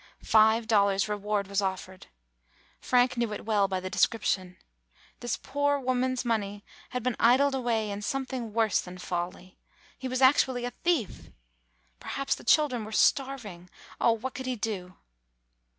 Five dollars reward was offered. Frank knew it well by the description. This poor woman's money had been idled away in something worse than folly. He was actually a thief! Perhaps the children were starving. Oh ! what could he do